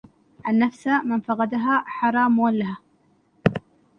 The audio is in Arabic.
النفس من فقدها حرى مولهة